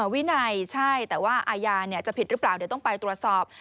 วินัยใช่แต่ว่าอาญาจะผิดหรือเปล่าเดี๋ยวต้องไปตรวจสอบ